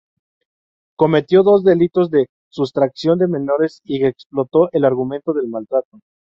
Cometió dos delitos de sustracción de menores y que explotó el argumento del maltrato.